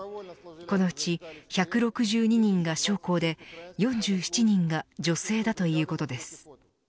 このうち１６２人が将校で４７人が女性だということです。